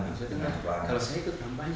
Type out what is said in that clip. kalau saya ikut kampanye itu kontrak kontraknya